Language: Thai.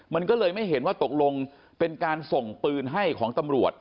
มันก็เลยไม่เห็นว่าตกลงเป็นการส่งปืนให้ของตำรวจ